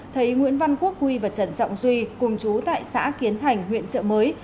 thấy nguyễn văn quốc huy và trần trọng duy cùng chú tại xã kiến hành huyện trợ mới